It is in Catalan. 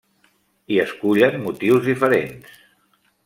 Hi escullen motius diferents.